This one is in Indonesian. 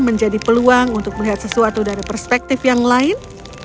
menjadi peluang untuk melihat sesuatu dari perspektif yang lain